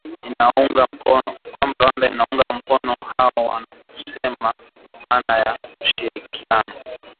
kwamba Rwanda inaunga mkono waasi hao na kusema maana ya ushirikiano